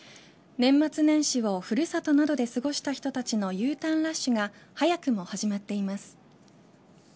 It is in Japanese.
年末年始を古里などで過ごした人たちのＵターンラッシュが早くも始まっています。